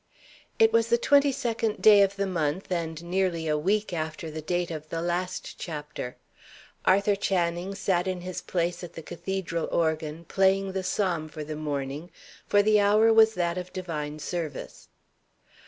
It was the twenty second day of the month, and nearly a week after the date of the last chapter. Arthur Channing sat in his place at the cathedral organ, playing the psalm for the morning; for the hour was that of divine service.